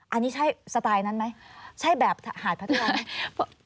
อันนี้ใช่สไตล์นั้นไหมใช่แบบหาดพัทยาไหม